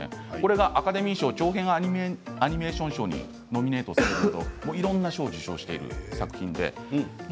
アカデミー賞の長編アニメーション賞にノミネートされていろんな賞を受賞している作品です。